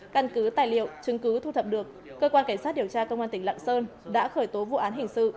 căn cứ tài liệu chứng cứ thu thập được cơ quan cảnh sát điều tra công an tỉnh lạng sơn đã khởi tố vụ án hình sự